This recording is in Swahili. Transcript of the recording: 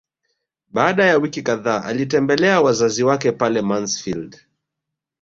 Baada ya wiki kadhaa alitembelea wazazi wake pale Mansfeld